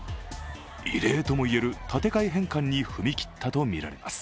異例とも言える立て替え返還に踏み切ったとみられます。